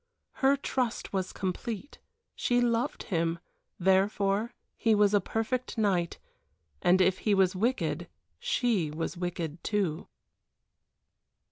Her trust was complete she loved him therefore he was a perfect knight and if he was wicked she was wicked too.